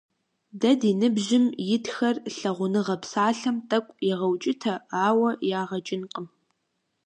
Дэ ди ныбжьым итхэр «лъагъуныгъэ» псалъэм тӀэкӀу егъэукӀытэ, ауэ ягъэ кӀынкъым.